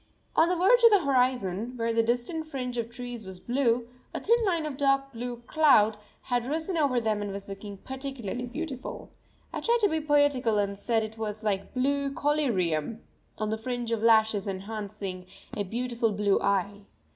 On the verge of the horizon, where the distant fringe of trees was blue, a thin line of dark blue cloud had risen over them and was looking particularly beautiful. I tried to be poetical and said it was like blue collyrium on the fringe of lashes enhancing a beautiful blue eye.